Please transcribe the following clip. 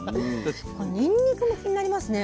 にんにくも気になりますね。